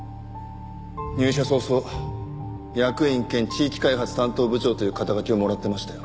入社早々役員兼地域開発担当部長という肩書をもらってましたよ。